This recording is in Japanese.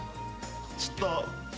ちょっと。